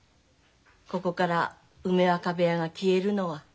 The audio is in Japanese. ここから梅若部屋が消えるのは。